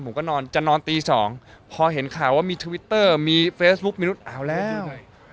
ผมก็นอนจะนอนตีสองพอเห็นข่าวว่ามีทวิตเตอร์มีเฟซบุ๊คมีนุษย์เอาแล้ว